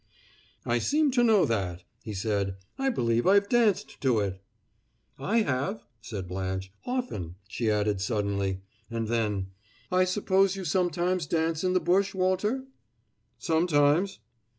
"I seem to know that," he said. "I believe I've danced to it." "I have," said Blanche. "Often," she added suddenly; and then, "I suppose you sometimes dance in the bush, Walter?" "Sometimes."